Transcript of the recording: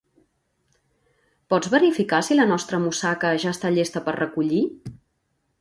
Pots verificar si la nostra mussaca ja està llesta per recollir?